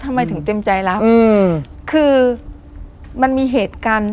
ทำไมถึงเต็มใจรับอืมคือมันมีเหตุการณ์